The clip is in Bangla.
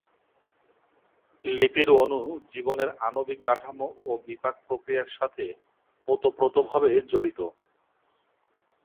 লিপিড অণু জীবনের আণবিক কাঠামো ও বিপাক প্রক্রিয়ার সাথে ওতপ্রোতভাবে জড়িত।